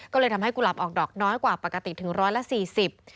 ก็เลยทำให้กุหลาบออกดอกน้อยกว่าปกติถึง๑๔๐บาท